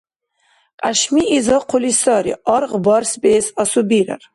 Кьяшми изахъули сари, аргъ барсбиэс асубирар.